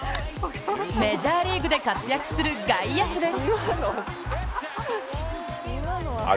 メジャーリーグで活躍する外野手です。